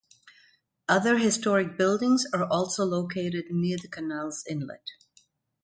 Other historic buildings are also located near the canal's inlet.